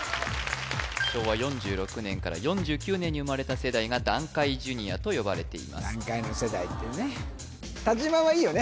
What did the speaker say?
昭和４６年から４９年に生まれた世代が団塊ジュニアと呼ばれています団塊の世代ってね田島はいいよね